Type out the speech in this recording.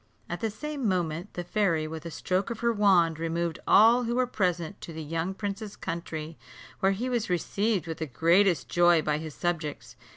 At the same moment, the fairy, with a stroke of her wand, removed all who were present to the young prince's country, where he was received with the greatest joy by his subjects.